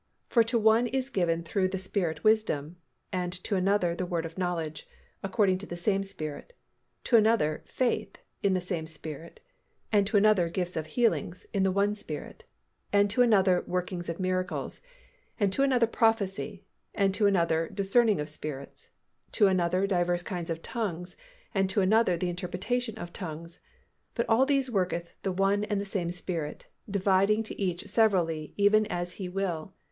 For to one is given through the Spirit wisdom; and to another the word of knowledge, according to the same Spirit; to another faith, in the same Spirit; and to another gifts of healings, in the one Spirit; and to another workings of miracles; and to another prophecy; and to another discerning of spirits: to another divers kinds of tongues; and to another the interpretation of tongues: but all these worketh the one and the same Spirit, dividing to each severally even as He will....